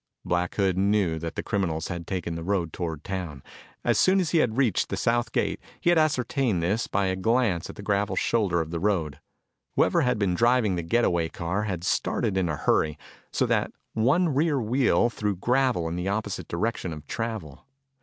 Black Hood knew that the criminals had taken the road toward town. As soon as he had reached the south gate he had ascertained this by a glance at the gravel shoulder of the road. Whoever had been driving the get away car had started in a hurry so that one rear wheel threw gravel in the opposite direction of travel.